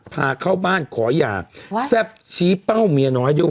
พาเข้าบ้านขอหย่าแซ่บชี้เป้าเมียน้อยด้วย